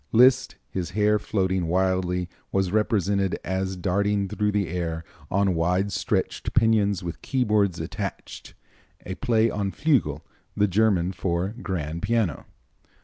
Liszt, his hair floating wildly, was represented as darting through the air on wide stretched pinions with keyboards attached a play on Flügel, the German for grand piano.